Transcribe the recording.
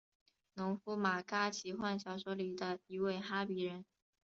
农夫马嘎奇幻小说里的一位哈比人。